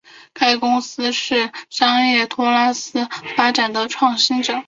该公司是商业托拉斯发展的创新者。